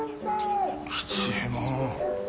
吉右衛門。